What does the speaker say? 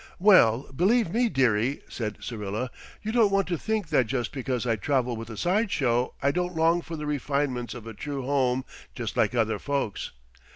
"Well, believe me, dearie," said Syrilla, "you don't want to think that just because I travel with a side show I don't long for the refinements of a true home just like other folks.